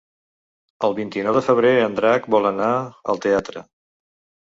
El vint-i-nou de febrer en Drac vol anar al teatre.